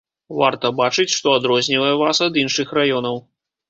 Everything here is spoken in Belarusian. Варта бачыць, што адрознівае вас ад іншых раёнаў.